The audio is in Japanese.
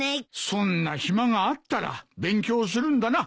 そんな暇があったら勉強するんだな。